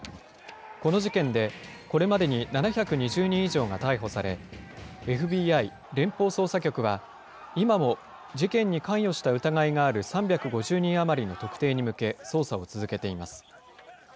この事件で、これまでに７２０人以上が逮捕され、ＦＢＩ・連邦捜査局は、今も、事件に関与した疑いがある３５０人余りの特定に向け、捜査を続けています。